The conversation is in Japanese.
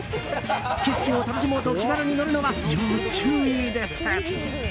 景色を楽しもうと気軽に乗るのは要注意です。